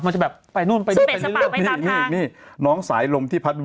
มันจะแบบไปนู่นไปนี่